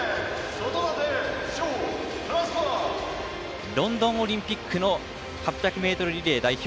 外舘、ロンドンオリンピックの８００ｍリレー代表。